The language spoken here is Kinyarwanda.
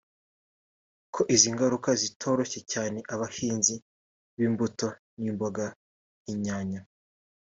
ko izi ngaruka zitoroheye cyane abahinzi b’imbuto n’imboga nk’inyanya